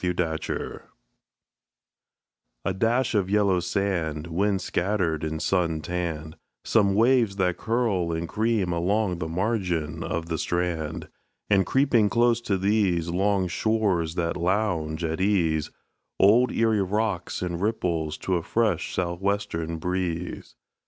ERIE WATERS A dash of yellow sand, Wind scattered and sun tanned; Some waves that curl and cream along the margin of the strand; And, creeping close to these Long shores that lounge at ease, Old Erie rocks and ripples to a fresh sou' western breeze.